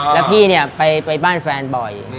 แล้วพี่เนี่ยไปบ้านแฟนบ่อย